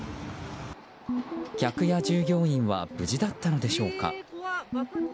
客や従業員は無事だったのでしょうか。